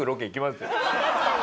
確かに！